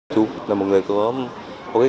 chú là một người có